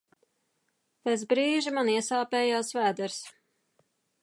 Pēc brīža man iesāpējās vēders.